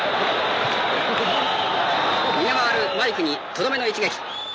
逃げ回るマイクにとどめの一撃。